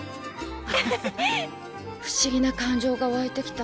不思議な感情がわいてきた。